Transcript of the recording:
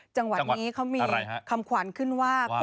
จังหวัดนี้เขามีคำขวัญขึ้นว่าจังหวัดอะไรฮะ